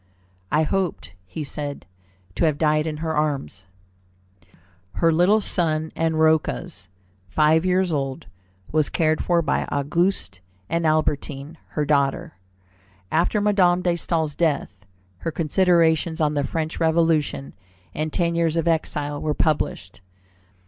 "I hoped," he said, "to have died in her arms." Her little son, and Rocca's, five years old, was cared for by Auguste and Albertine, her daughter. After Madame de Staël's death, her Considerations on the French Revolution and Ten Years of Exile were published.